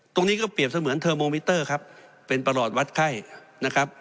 ตรงนี้ก็เปรียบเสมือนเทอร์โมมิเตอร์ครับเป็นประหลอดวัดไข้นะครับ